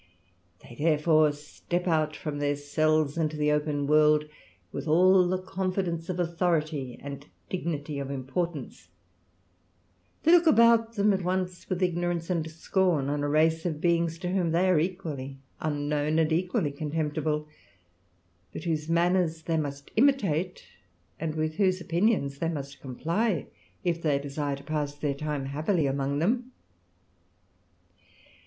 They therefore step out from their cells into the open world with all the confidence of authority and dignity of importance ; they look round about them at once with ignorance and scorn on a race of beings to whom they are equally unknown and equally contemptible, but whose manners they must imitate, and with whose opinions they must comply, if they desire to pass their time happily among them.